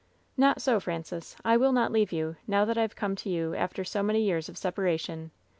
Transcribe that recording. "Not so, Francis. I will not leave you, now that I have come to you after so many years of separation.